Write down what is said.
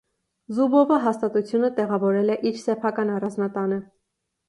Զուբովը հաստատությունը տեղավորել է իր սեփական առանձնատանը։